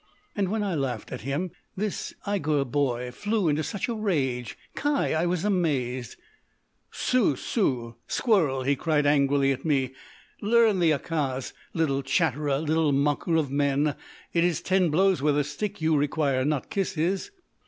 "And when I laughed at him, this Eighur boy flew into such a rage! Kai! I was amazed. "'Sou sou! Squirrel!' he cried angrily at me. 'Learn the Yacaz, little chatterer! Little mocker of men, it is ten blows with a stick you require, not kisses!